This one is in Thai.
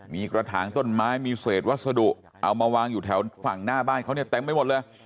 มีกระถางต้นไม้มีเศษวัสดุเอามาวางอยู่แถวฝั่งหน้าบ้านเขาเนี่ยเต็มไปหมดเลย